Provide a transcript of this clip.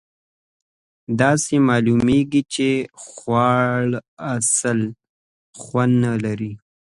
داسې معلومیږي چې خواړه اصلآ خوند نه لري.